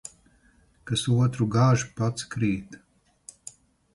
Kas otru gāž, pats krīt.